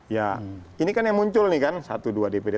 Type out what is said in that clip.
ya ini kan yang muncul nih kan satu dua dpd